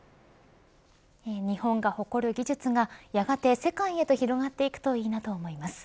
日本が誇る技術がやがて世界へと広がっていくといいなと思います。